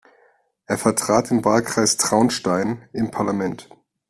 Er vertrat den Wahlkreis Traunstein im Parlament.